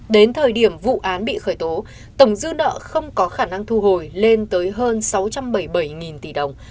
đến thời điểm vụ án bị khởi tố tổng dư nợ không có khả năng thu hồi lên tới hơn sáu trăm bảy mươi bảy tỷ đồng